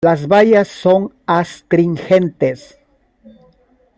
Las bayas son astringentes.